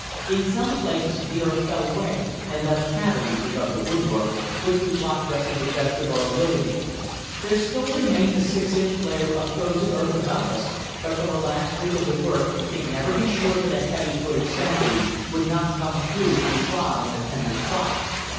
In some places the earth fell away and left cavities above the woodwork, which we blocked up to the best of our ability. There still remained a 6 inch layer of frozen earth above us, but for the last week of the work we could never be sure that a heavy footed sentry would not come through if he trod on a tender spot.